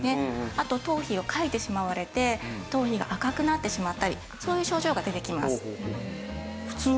あと頭皮をかいてしまわれて頭皮が赤くなってしまったりそういう症状が出てきます。